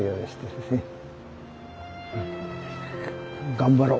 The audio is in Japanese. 頑張ろう。